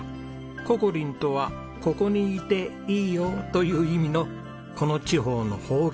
「ｃｏｃｏ−Ｒｉｎ」とは「ここにいていいよ！」という意味のこの地方の方言